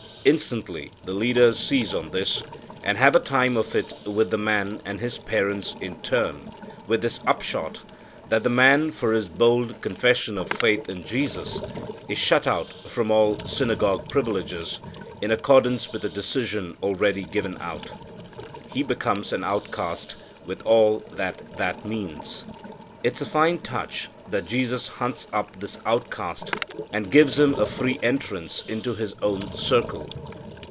Instantly the leaders seize on this, and have a time of it with the man and his parents in turn, with this upshot, that the man for his bold confession of faith in Jesus is shut out from all synagogue privileges, in accordance with a decision already given out. He becomes an outcast, with all that that means. It's a fine touch that Jesus hunts up this outcast and gives him a free entrance into His own circle.